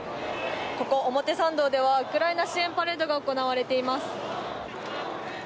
ここ表参道ではウクライナ支援パレードが行われています。